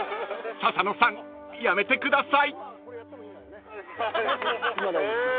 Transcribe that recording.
［笹野さんやめてください！］